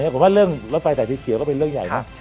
ผมว่าเรื่องรถไฟสายสีเขียวก็เป็นเรื่องใหญ่นะ